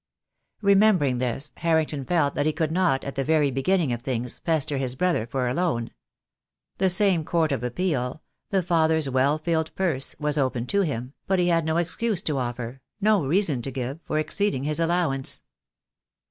Remembering this, Harrington felt that he could not, at the very beginning of things, pester his brother for a loan. The same court of appeal, the father's well filled purse, was open to him, but he had no excuse to offer, no reason to give, for exceeding his allowance.